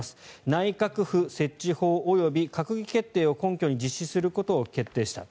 内閣府設置法及び閣議決定を根拠に実施することを決定した。